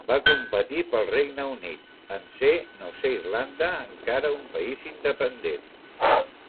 Va competir pel Regne Unit, en ser no ser Irlanda encara un país independent.